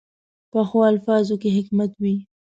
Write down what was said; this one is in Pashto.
پخو الفاظو کې حکمت وي